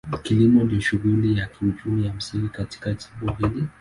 Kilimo ndio shughuli ya kiuchumi ya msingi katika jimbo hili.